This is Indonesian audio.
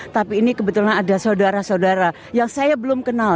tapi ini kebetulan ada saudara saudara yang saya belum kenal